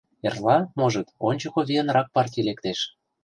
— Эрла, можыт, ончыко виянрак партий лектеш.